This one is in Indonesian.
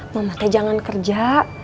mamatnya jangan kerja